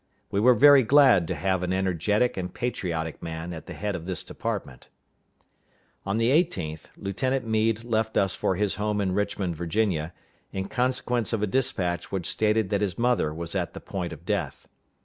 We were very glad to have an energetic and patriotic man at the head of this department. On the 18th, Lieutenant Meade left us for his home in Richmond, Virginia, in consequence of a dispatch which stated that his mother was at the point of death.